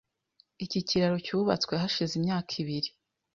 Iki kiraro cyubatswe hashize imyaka ibiri .